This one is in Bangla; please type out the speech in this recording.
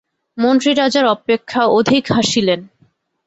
মন্ত্রী রাজার অপেক্ষা অধিক হাসিলেন।